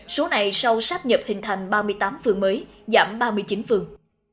số này sau sắp nhập hình thành ba mươi tám phường mới giảm ba mươi chín phường